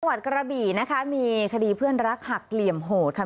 กระบี่นะคะมีคดีเพื่อนรักหักเหลี่ยมโหดค่ะ